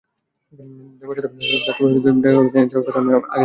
দেবার সাথে দেখা করাতে নিয়ে যাওয়ার আগে আমরা তাকে জিজ্ঞাসাবাদ করব।